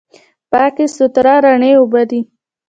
پاکې، سوتره، رڼې اوبه دي.